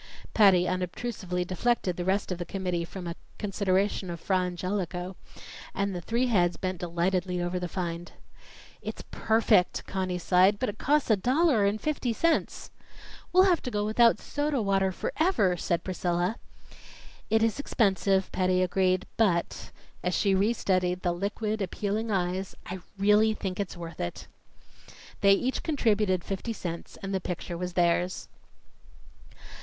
Patty unobtrusively deflected the rest of the committee from a consideration of Fra Angelico, and the three heads bent delightedly over the find. "It's perfect!" Conny sighed. "But it costs a dollar and fifty cents." "We'll have to go without soda water forever!" said Priscilla. "It is expensive," Patty agreed, "but " as she restudied the liquid, appealing eyes "I really think it's worth it." They each contributed fifty cents, and the picture was theirs.